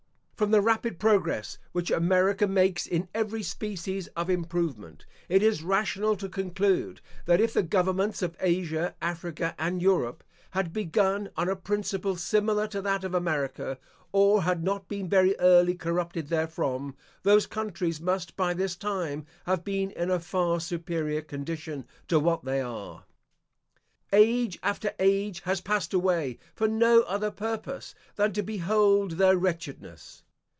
From the rapid progress which America makes in every species of improvement, it is rational to conclude that, if the governments of Asia, Africa, and Europe had begun on a principle similar to that of America, or had not been very early corrupted therefrom, those countries must by this time have been in a far superior condition to what they are. Age after age has passed away, for no other purpose than to behold their wretchedness.